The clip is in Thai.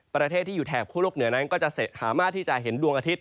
ประเทศที่อยู่แถบคั่วโลกเหนือนั้นก็จะสามารถที่จะเห็นดวงอาทิตย